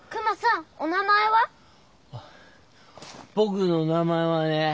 あ僕の名前はね。